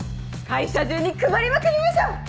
会社中に配りまくりましょう！